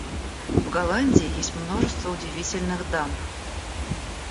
В Голландии есть множество удивительных дамб.